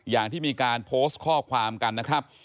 อย่างที่มีการโพสต์ข้อความกัน